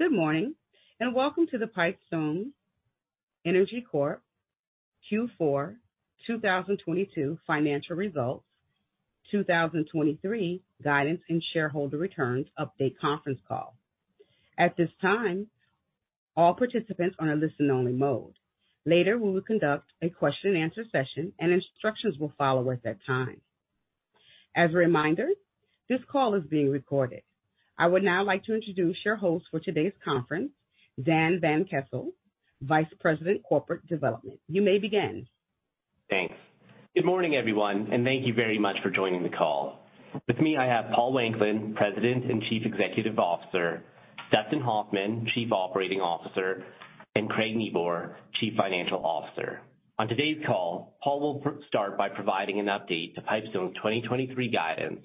Good morning, and welcome to the Pipestone Energy Corp Q4 2022 financial results, 2023 guidance and shareholder returns update conference call. At this time, all participants are in a listen only mode. Later, we will conduct a question and answer session and instructions will follow at that time. As a reminder, this call is being recorded. I would now like to introduce your host for today's conference, Dan van Kessel, Vice President, Corporate Development. You may begin. Thanks. Good morning, everyone, and thank you very much for joining the call. With me, I have Paul Wanklyn, President and Chief Executive Officer, Dustin Hoffman, Chief Operating Officer, and Craig Nieboer, Chief Financial Officer. On today's call, Paul will start by providing an update to Pipestone's 2023 guidance.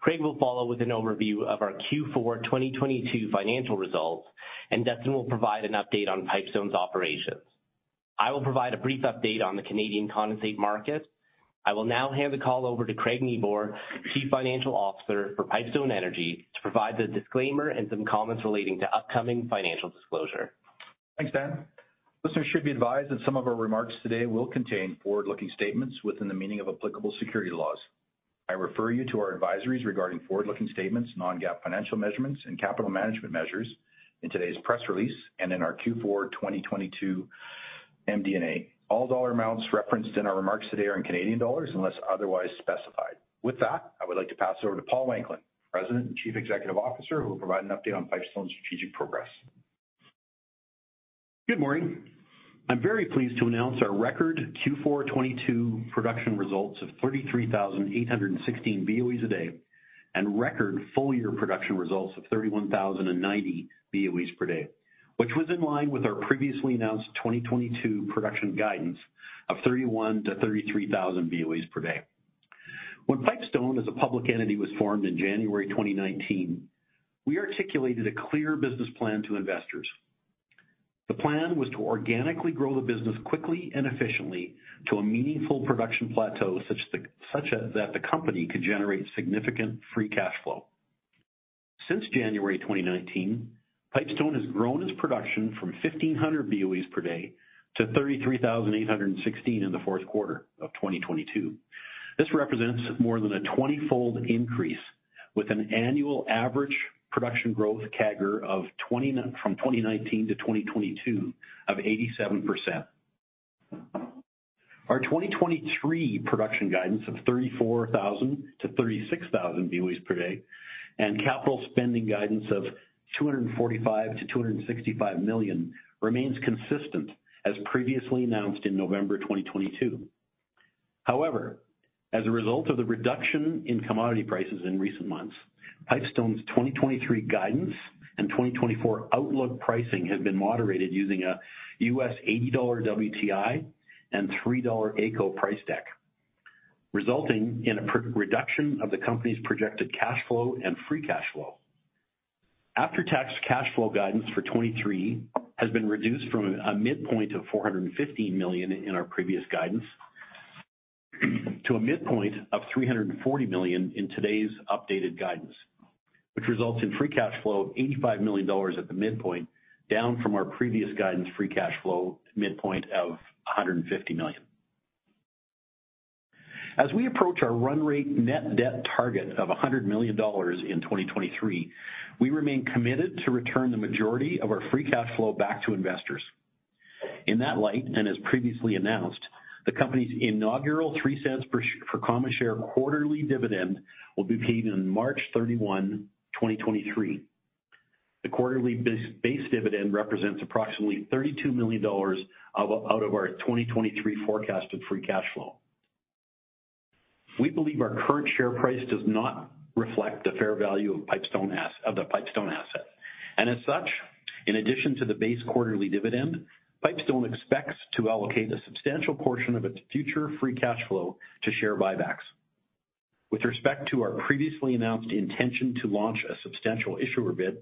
Craig will follow with an overview of our Q4 2022 financial results, and Dustin will provide an update on Pipestone's operations. I will provide a brief update on the Canadian condensate market. I will now hand the call over to Craig Nieboer, Chief Financial Officer for Pipestone Energy, to provide the disclaimer and some comments relating to upcoming financial disclosure. Thanks, Dan. Listeners should be advised that some of our remarks today will contain forward-looking statements within the meaning of applicable security laws. I refer you to our advisories regarding forward-looking statements, non-GAAP financial measurements and capital management measures in today's press release and in our Q4 2022 MD&A. All dollar amounts referenced in our remarks today are in Canadian dollars unless otherwise specified. I would like to pass it over to Paul Wanklyn, President and Chief Executive Officer, who will provide an update on Pipestone's strategic progress. Good morning. I'm very pleased to announce our record Q4 2022 production results of 33,816 BOEs a day and record full year production results of 31,090 BOEs per day, which was in line with our previously announced 2022 production guidance of 31,000-33,000 BOEs per day. When Pipestone as a public entity was formed in January 2019, we articulated a clear business plan to investors. The plan was to organically grow the business quickly and efficiently to a meaningful production plateau such as that the company could generate significant free cash flow. Since January 2019, Pipestone has grown its production from 1,500 BOEs per day to 33,816 in the fourth quarter of 2022. This represents more than a 20-fold increase with an annual average production growth CAGR from 2019 to 2022 of 87%. Our 2023 production guidance of 34,000-36,000 BOEs per day and capital spending guidance of 245 million-265 million remains consistent as previously announced in November 2022. As a result of the reduction in commodity prices in recent months, Pipestone's 2023 guidance and 2024 outlook pricing have been moderated using a US $80 WTI and $3 AECO price deck, resulting in a reduction of the company's projected cash flow and free cash flow. After-tax cash flow guidance for 2023 has been reduced from a midpoint of 450 million in our previous guidance to a midpoint of 340 million in today's updated guidance, which results in free cash flow of 85 million dollars at the midpoint, down from our previous guidance free cash flow midpoint of 150 million. As we approach our run rate net debt target of 100 million dollars in 2023, we remain committed to return the majority of our free cash flow back to investors. In that light, and as previously announced, the company's inaugural 0.03 per common share quarterly dividend will be paid on March 31, 2023. The quarterly base dividend represents approximately 32 million dollars out of our 2023 forecasted free cash flow. We believe our current share price does not reflect the fair value of Pipestone, of the Pipestone asset. As such, in addition to the base quarterly dividend, Pipestone expects to allocate a substantial portion of its future free cash flow to share buybacks. With respect to our previously announced intention to launch a substantial issuer bid,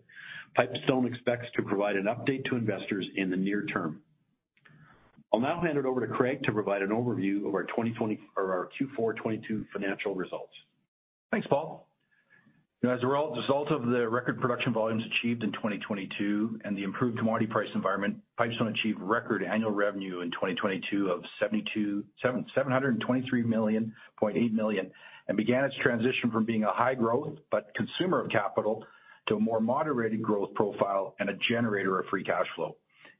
Pipestone expects to provide an update to investors in the near term. I'll now hand it over to Craig to provide an overview of our Q4 2022 financial results. Thanks, Paul. You know, as a result of the record production volumes achieved in 2022 and the improved commodity price environment, Pipestone achieved record annual revenue in 2022 of 723.8 million and began its transition from being a high growth but consumer of capital to a more moderated growth profile and a generator of free cash flow.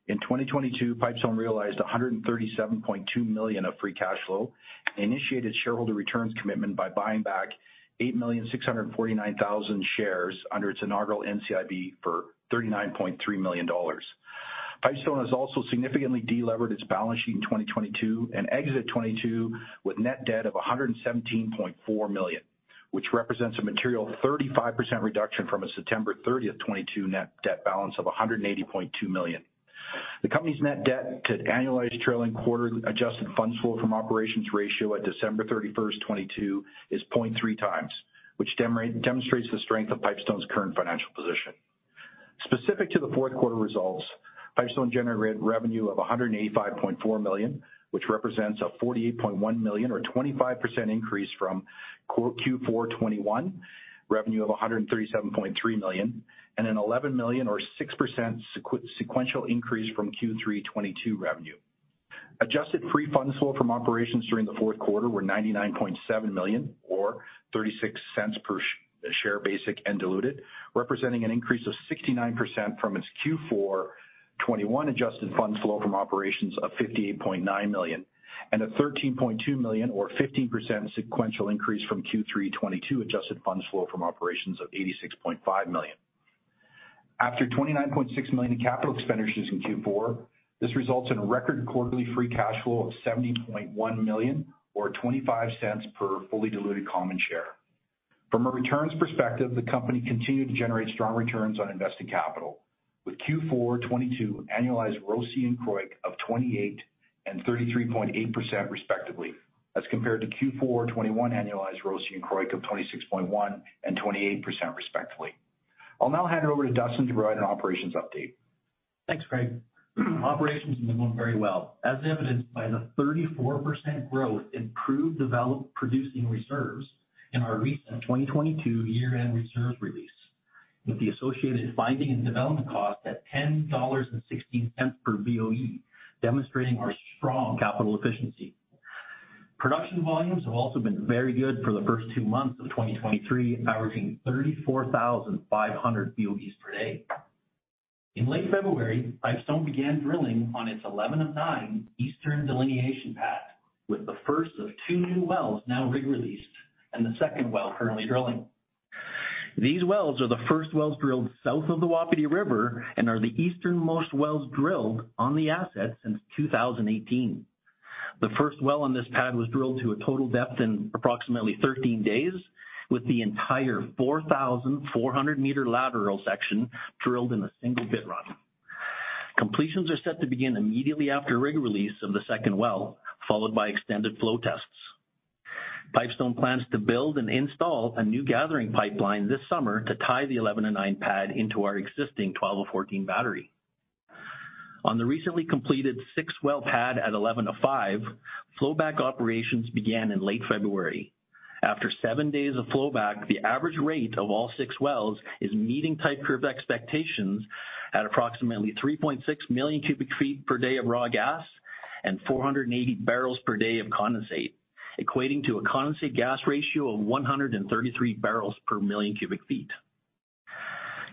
In 2022, Pipestone realized 137.2 million of free cash flow and initiated shareholder returns commitment by buying back 8,649,000 shares under its inaugural NCIB for 39.3 million dollars. Pipestone has also significantly de-levered its balance sheet in 2022 and exit 2022 with net debt of 117.4 million, which represents a material 35% reduction from a September 30th, 2022 net debt balance of 180.2 million. The company's net debt to annualized trailing quarter adjusted funds flow from operations ratio at December 31st, 2022 is 0.3 times, which demonstrates the strength of Pipestone's current financial position. Specific to the fourth quarter results, Pipestone generated revenue of 185.4 million, which represents a 48.1 million or 25% increase from Q4 2021 revenue of 137.3 million, and a 11 million or 6% sequential increase from Q3 2022 revenue. Adjusted free funds flow from operations during the fourth quarter were 99.7 million or 0.36 per share basic and diluted, representing an increase of 69% from its Q4 2021 adjusted funds flow from operations of 58.9 million, and a 13.2 million or 15% sequential increase from Q3 2022 adjusted funds flow from operations of 86.5 million. After 29.6 million in capital expenditures in Q4, this results in record quarterly free cash flow of 70.1 million or 0.25 per fully diluted common share. From a returns perspective, the company continued to generate strong returns on invested capital, with Q4 2022 annualized ROCE and CROIC of 28% and 33.8% respectively, as compared to Q4 2021 annualized ROCE and CROIC of 26.1% and 28% respectively. I'll now hand it over to Dustin to provide an operations update. Thanks, Craig. Operations have been going very well, as evidenced by the 34% growth in proved producing reserves in our recent 2022 year-end reserves release, with the associated finding and development cost at 10.16 dollars per BOE, demonstrating our strong capital efficiency. Production volumes have also been very good for the first two months of 2023, averaging 34,500 BOEs per day. In late February, Pipestone began drilling on its 11 and 9 eastern delineation pad, with the first of two new wells now rig released and the second well currently drilling. These wells are the first wells drilled south of the Wapiti River and are the easternmost wells drilled on the asset since 2018. The first well on this pad was drilled to a total depth in approximately 13 days, with the entire 4,400 meter lateral section drilled in a single bit run. Completions are set to begin immediately after rig release of the second well, followed by extended flow tests. Pipestone plans to build and install a new gathering pipeline this summer to tie the 11-9 pad into our existing 12-14 battery. On the recently completed six-well pad at 11-5, flow back operations began in late February. After seven days of flow back, the average rate of all six wells is meeting type curve expectations at approximately 3.6 million cubic feet per day of raw gas and 480 barrels per day of condensate, equating to a condensate gas ratio of 133 barrels per million cubic feet.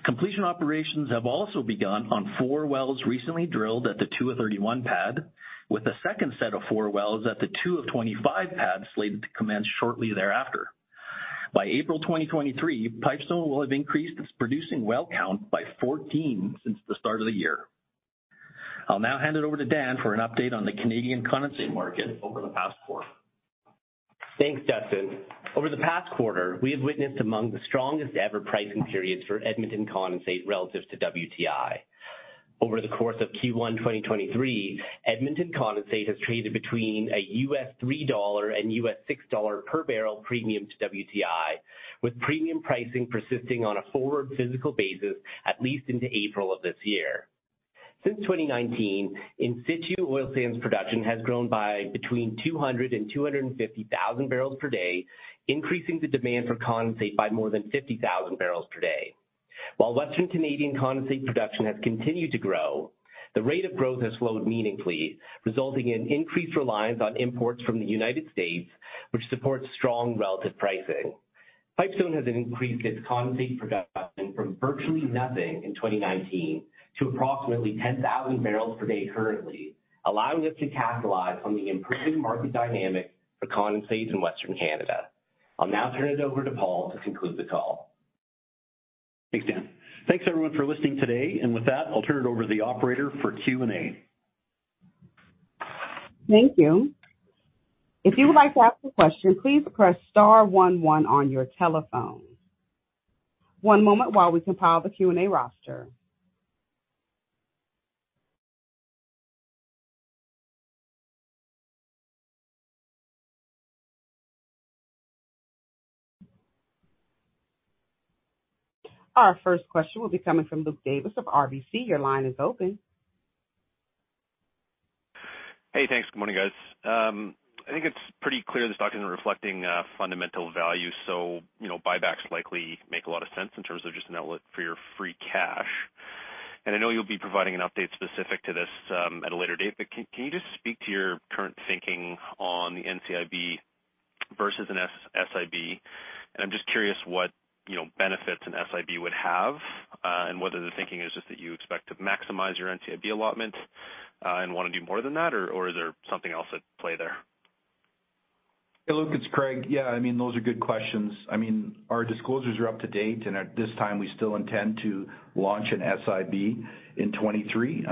Completion operations have also begun on four wells recently drilled at the 2-31 pad, with a second set of four wells at the 2-25 pad slated to commence shortly thereafter. By April 2023, Pipestone will have increased its producing well count by 14 since the start of the year. I'll now hand it over to Dan for an update on the Canadian condensate market over the past quarter. Thanks, Dustin. Over the past quarter, we have witnessed among the strongest ever pricing periods for Edmonton condensate relative to WTI. Over the course of Q1, 2023, Edmonton condensate has traded between a $3 and $6 per barrel premium to WTI, with premium pricing persisting on a forward physical basis at least into April of this year. Since 2019, in situ oil sands production has grown by between 200,000 and 250,000 barrels per day, increasing the demand for condensate by more than 50,000 barrels per day. While Western Canadian condensate production has continued to grow, the rate of growth has slowed meaningfully, resulting in increased reliance on imports from the United States, which supports strong relative pricing. Pipestone has increased its condensate production from virtually nothing in 2019 to approximately 10,000 barrels per day currently, allowing us to capitalize on the improving market dynamic for condensates in Western Canada. I'll now turn it over to Paul to conclude the call. Thanks, Dan. Thanks, everyone, for listening today. With that, I'll turn it over to the operator for Q&A. Thank you. If you would like to ask a question, please press star 11 on your telephone. One moment while we compile the Q&A roster. Our first question will be coming from Luke Davis of RBC. Your line is open. Hey, thanks. Good morning, guys. I think it's pretty clear the stock isn't reflecting fundamental value. You know, buybacks likely make a lot of sense in terms of just an outlet for your free cash. I know you'll be providing an update specific to this at a later date. Can you just speak to your current thinking on the NCIB versus an S-SIB? I'm just curious what, you know, benefits an SIB would have, and whether the thinking is just that you expect to maximize your NCIB allotment, and wanna do more than that or is there something else at play there? Hey, Luke, it's Craig. Yeah, I mean, those are good questions. I mean, our disclosures are up to date. At this time, we still intend to launch an SIB in 2023.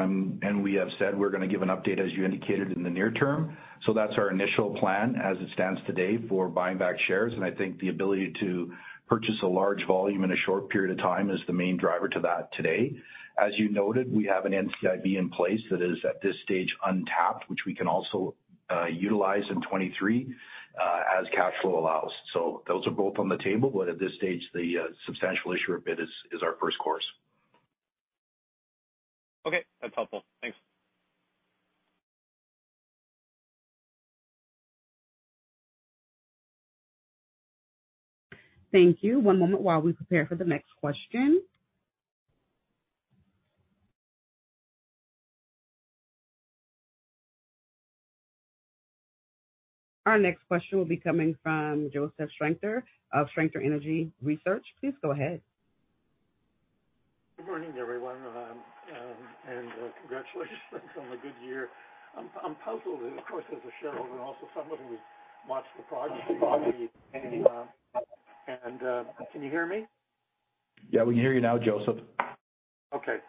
We have said we're gonna give an update, as you indicated, in the near term. That's our initial plan as it stands today for buying back shares. I think the ability to purchase a large volume in a short period of time is the main driver to that today. As you noted, we have an NCIB in place that is at this stage untapped, which we can also utilize in 2023 as cash flow allows. Those are both on the table. At this stage, the substantial issuer bid is our first course. Okay, that's helpful. Thanks. Thank you. One moment while we prepare for the next question. Our next question will be coming from Josef Schachter of Schachter Energy Research. Please go ahead. Good morning, everyone. Congratulations on a good year. I'm puzzled, of course, as a shareholder and also someone who's watched the progress. Can you hear me? Yeah, we can hear you now, Josef Schachter.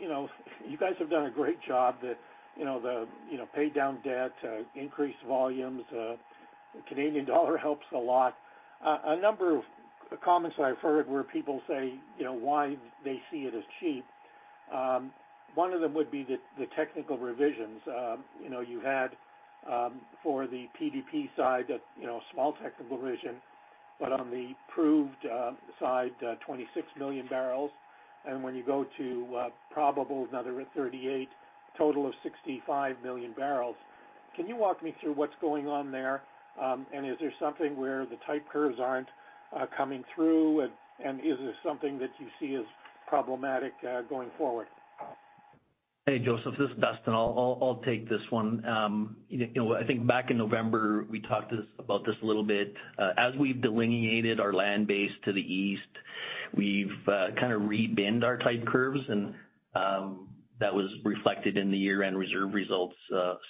You know, you guys have done a great job. The, you know, the, you know, pay down debt, increased volumes, Canadian dollar helps a lot. A number of comments that I've heard where people say, you know, why they see it as cheap, one of them would be the technical revisions. You know, you had, for the PDP side a, you know, small technical revision, but on the Proved side, 26 million barrels, and when you go to Probable, another 38, total of 65 million barrels. Can you walk me through what's going on there? Is there something where the type curves aren't coming through? Is this something that you see as problematic going forward? Hey, Josef Schachter, this is Dustin. I'll take this one. you know, I think back in November, we talked about this a little bit. As we've delineated our land base to the east, we've kind of re-binned our type curves and that was reflected in the year-end reserve results,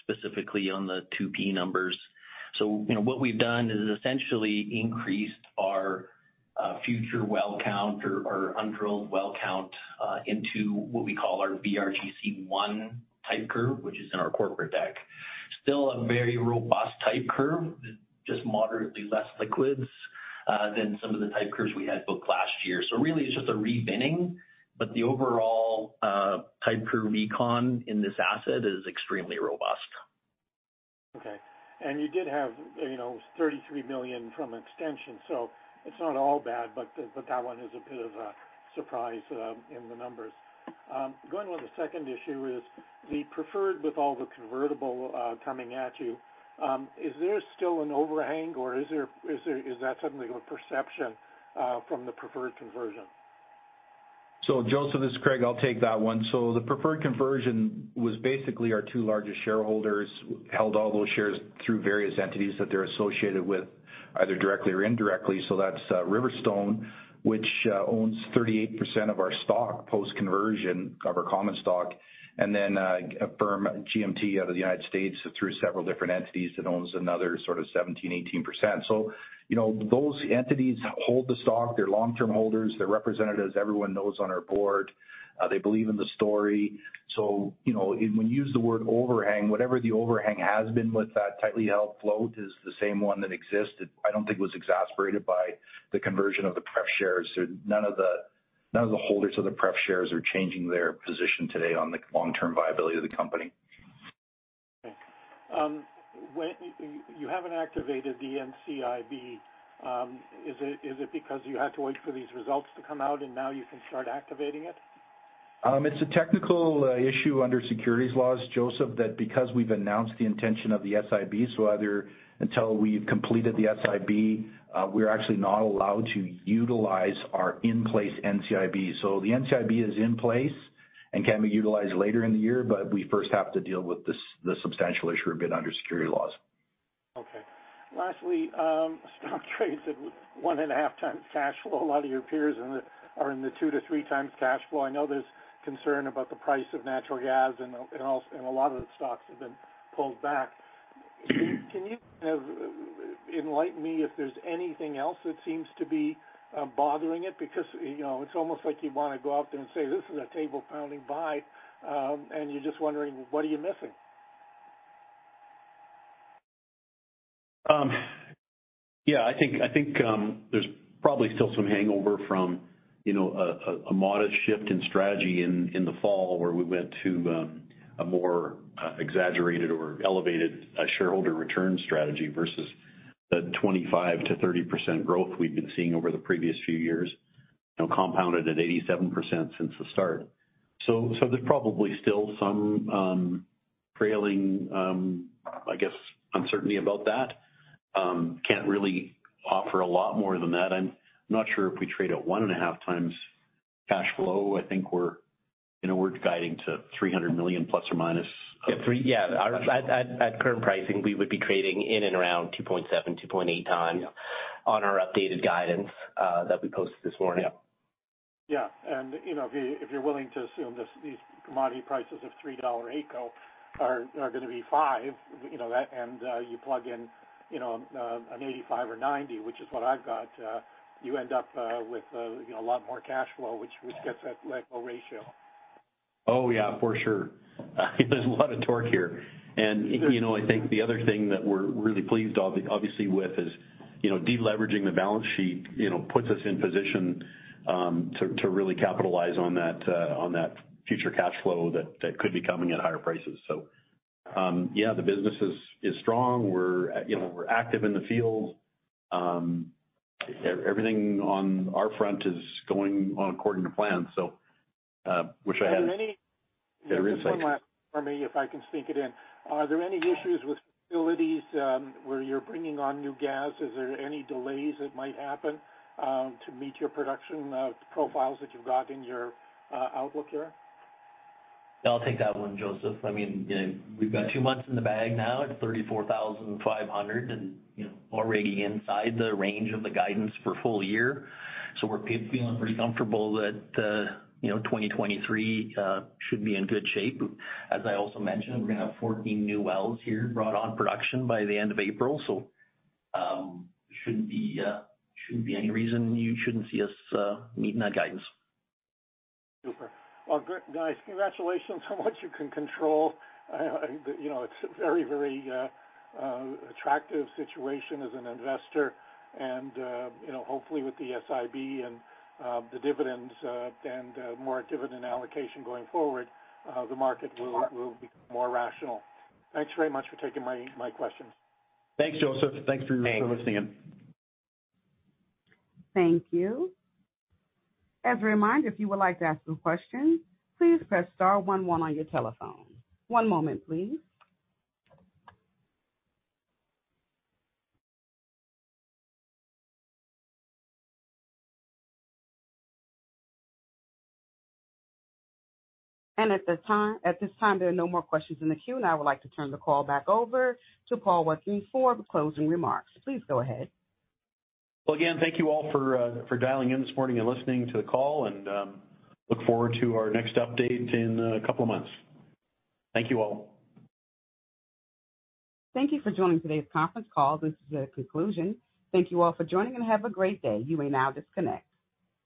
specifically on the 2P numbers. you know, what we've done is essentially increased our future well count or our undrilled well count into what we call our VRGC1 type curve, which is in our corporate deck. Still a very robust type curve, just moderately less liquids than some of the type curves we had booked last year. really it's just a re-binning, but the overall type curve econ in this asset is extremely robust. Okay. You did have, you know, 33 million from extension, so it's not all bad, but that one is a bit of a surprise in the numbers. Going on the second issue is the preferred with all the convertible coming at you, is there still an overhang or is that something of a perception from the preferred conversion? Josef Schachter, this is Craig Nieboer, I'll take that one. The preferred conversion was basically our two largest shareholders held all those shares through various entities that they're associated with, either directly or indirectly. That's Riverstone, which owns 38% of our stock post conversion of our common stock. A firm, GMT, out of the United States through several different entities that owns another sort of 17%-18%. You know, those entities hold the stock. They're long-term holders. They're representatives everyone knows on our board. They believe in the story. You know, when you use the word overhang, whatever the overhang has been with that tightly held float is the same one that exists. It, I don't think, was exasperated by the conversion of the prep shares. None of the holders of the prep shares are changing their position today on the long-term viability of the company. Okay. You haven't activated the NCIB. Is it because you had to wait for these results to come out and now you can start activating it? It's a technical issue under securities laws, Josef, that because we've announced the intention of the SIB, until we've completed the SIB, we're actually not allowed to utilize our in-place NCIB. The NCIB is in place and can be utilized later in the year, but we first have to deal with thesubstantial issue we've been under securities laws. Okay. Lastly, stock trades at one and a half times cash flow. A lot of your peers are in the two to three times cash flow. I know there's concern about the price of natural gas and a lot of the stocks have been pulled back. Can you kind of enlighten me if there's anything else that seems to be bothering it? You know, it's almost like you wanna go out there and say, "This is a table pounding buy," and you're just wondering, what are you missing? Yeah, I think there's probably still some hangover from, you know, a modest shift in strategy in the fall where we went to a more exaggerated or elevated shareholder return strategy versus the 25%-30% growth we've been seeing over the previous few years. You know, compounded at 87% since the start. There's probably still some trailing, I guess, uncertainty about that. Can't really offer a lot more than that. I'm not sure if we trade at 1.5x cash flow. I think we're, you know, we're guiding to 300 million ±. Yeah. 3. Yeah. At current pricing, we would be trading in and around 2.7, 2.8 times on our updated guidance, that we posted this morning. Yeah. Yeah. You know, if you're willing to assume this, these commodity prices of $3 AECO are gonna be $5, you know. You plug in, you know, an $85 or $90, which is what I've got, you end up with, you know, a lot more cash flow, which gets that ratio. Yeah, for sure. There's a lot of torque here. You know, I think the other thing that we're really pleased obviously with is, you know, de-leveraging the balance sheet, you know, puts us in position to really capitalize on that future cash flow that could be coming at higher prices. Yeah, the business is strong. We're, you know, we're active in the field. Everything on our front is going according to plan. Wish I. Are there any- Yeah, uncertain. One last for me, if I can sneak it in. Are there any issues with facilities, where you're bringing on new gas? Is there any delays that might happen, to meet your production profiles that you've got in your outlook year? I'll take that one, Josef. I mean, you know, we've got two months in the bag now at 34,500 and, you know, already inside the range of the guidance for full year. We're feeling pretty comfortable that, you know, 2023 should be in good shape. As I also mentioned, we're gonna have 14 new wells here brought on production by the end of April. Shouldn't be any reason you shouldn't see us meeting that guidance. Super. Well, guys, congratulations on what you can control. you know, it's a very, very attractive situation as an investor and, you know, hopefully with the SIB and the dividends and more dividend allocation going forward, the market will be more rational. Thanks very much for taking my questions. Thanks, Josef. Thanks for listening in. Thank you. As a reminder, if you would like to ask a question, please press Star one one on your telephone. One moment, please. At this time, there are no more questions in the queue, and I would like to turn the call back over to Paul Wanklyn for the closing remarks. Please go ahead. Well, again, thank you all for dialing in this morning and listening to the call and look forward to our next update in a couple of months. Thank you all. Thank you for joining today's conference call. This is the conclusion. Thank you all for joining, and have a great day. You may now disconnect.